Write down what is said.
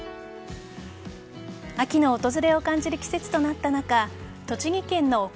秋の訪れを感じる季節となった中栃木県の奥